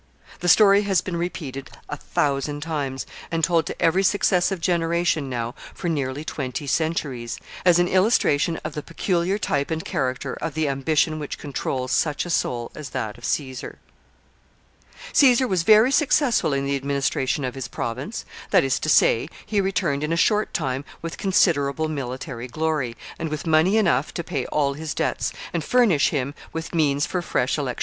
The story has been repeated a thousand times, and told to every successive generation now for nearly twenty centuries, as an illustration of the peculiar type and character of the ambition which controls such a soul as that of Caesar. [Sidenote: Caesar's ambition.] Caesar was very successful in the administration of his province; that is to say, he returned in a short time with considerable military glory, and with money enough to pay all his debts, and famish him with means for fresh electioneering.